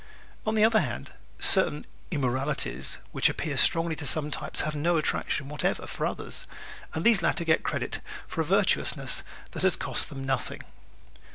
On the other hand, certain "immoralities" which appeal strongly to some types have no attraction whatever for others and these latter get credit for a virtuousness that has cost them nothing.